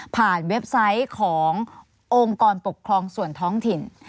เว็บไซต์ขององค์กรปกครองส่วนท้องถิ่น